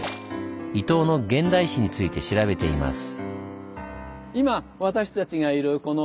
伊東の現代史について調べています。